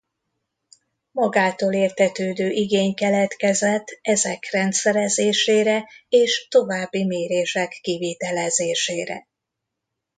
Magától értetődő igény keletkezett ezek rendszerezésére és további mérések kivitelezésére.